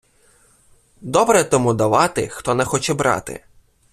Добре тому давати, хто не хоче брати.